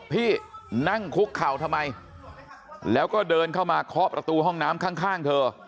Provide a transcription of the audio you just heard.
พี่นั่งคุกเข่าทำไมแล้วก็เดินเข้ามาเคาะประตูห้องน้ำข้างเธอ